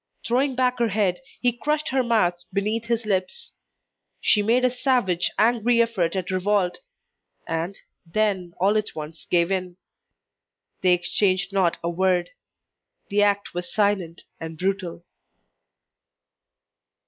Throwing back her head he crushed her mouth beneath his lips. She made a savage, angry effort at revolt, and, then all at once gave in. They exchanged not a word. The act was silent and brutal.